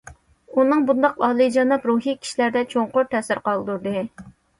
ئۇنىڭ بۇنداق ئالىيجاناب روھى كىشىلەردە چوڭقۇر تەسىر قالدۇردى.